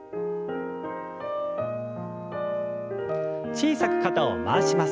小さく肩を回します。